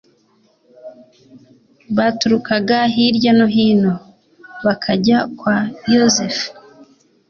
baturukaga hirya no hino bakajya kwa yozefu